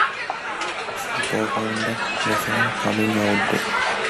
She co-founded National Coming Out Day.